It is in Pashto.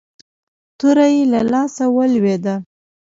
توره يې له لاسه ولوېده.